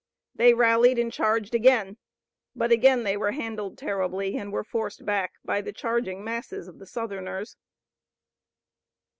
They rallied, and charged again, but again they were handled terribly, and were forced back by the charging masses of the Southerners.